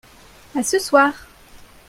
À ce soir.